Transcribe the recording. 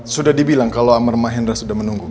sudah dibilang kalau amar mahendra sudah menunggu